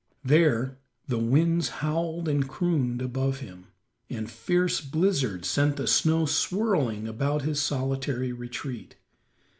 There the winds howled and crooned above him, and fierce blizzards sent the snow swirling about his solitary retreat.